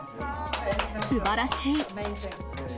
すばらしい！